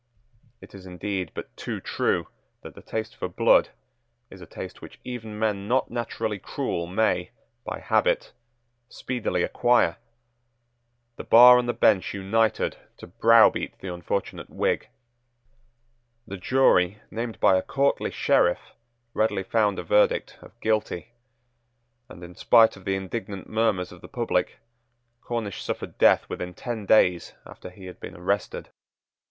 It is indeed but too true that the taste for blood is a taste which even men not naturally cruel may, by habit, speedily acquire. The bar and the bench united to browbeat the unfortunate Whig. The jury, named by a courtly Sheriff, readily found a verdict of Guilty; and, in spite of the indignant murmurs of the public, Cornish suffered death within ten days after he had been arrested.